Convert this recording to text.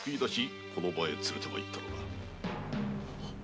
この場へ連れて参ったのだ。